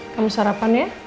kamu sarapan ya